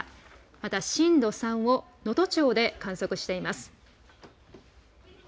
また震度３を能登町で観測しています。